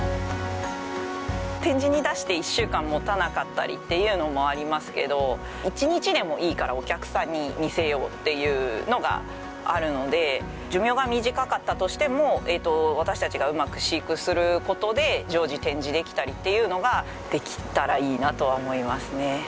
展示に出して１週間もたなかったりっていうのもありますけど一日でもいいからお客さんに見せようっていうのがあるので寿命が短かったとしても私たちがうまく飼育することで常時展示できたりっていうのができたらいいなとは思いますね。